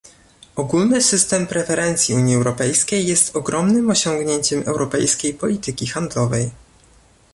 Ogólny system preferencji Unii Europejskiej jest ogromnym osiągnięciem europejskiej polityki handlowej